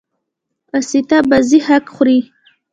واسطه بازي حق خوري.